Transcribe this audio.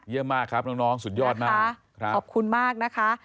มากครับน้องสุดยอดมากขอบคุณมากนะคะ